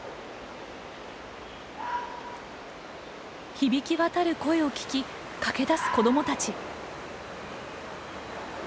・・響き渡る声を聞き駆け出す子どもたち。